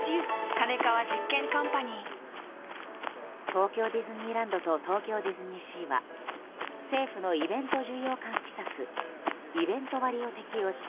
東京ディズニーランドと東京ディズニーシーは政府のイベント需要喚起策イベント割を適用し